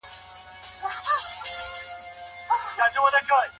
موږ کولای شو د ستونزو حل لپاره نوي لارې وپلټو.